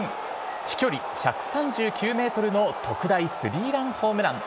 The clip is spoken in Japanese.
飛距離１３９メートルの特大スリーランホームラン。